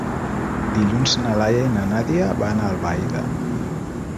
Dilluns na Laia i na Nàdia van a Albaida.